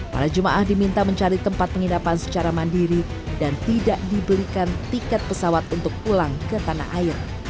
para jemaah diminta mencari tempat penginapan secara mandiri dan tidak dibelikan tiket pesawat untuk pulang ke tanah air